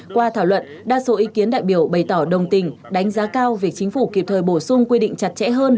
qua thảo luận đa số ý kiến đại biểu bày tỏ đồng tình đánh giá cao việc chính phủ kịp thời bổ sung quy định chặt chẽ hơn